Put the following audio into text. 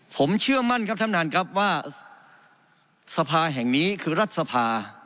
ผมเชื่อมั่นครับท่านท่านครับว่าสภาแห่งนี้คือรัฐสภา